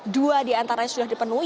dua di antaranya sudah dipenuhi